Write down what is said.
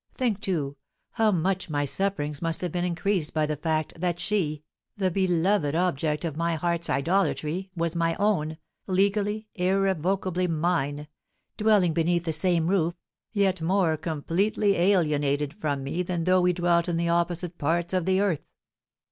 Think, too, how much my sufferings must have been increased by the fact that she, the beloved object of my heart's idolatry, was my own, legally, irrevocably mine, dwelling beneath the same roof, yet more completely alienated from me than though we dwelt in the opposite parts of the earth.